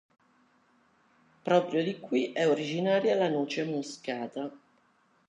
Proprio di qui è originaria la noce moscata.